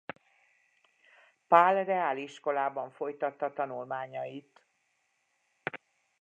Pál reáliskolában folytatta tanulmányait.